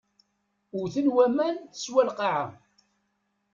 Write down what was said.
Wten waman teswa lqaɛa.